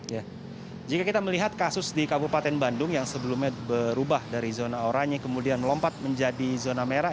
ya jika kita melihat kasus di kabupaten bandung yang sebelumnya berubah dari zona oranye kemudian melompat menjadi zona merah